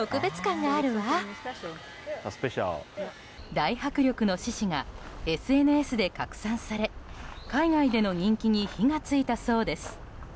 大迫力の獅子がＳＮＳで拡散され海外での人気に火が付いたそうです。